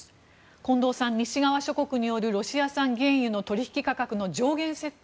近藤さん、西側諸国によるロシア産原油の取引価格の上限設定。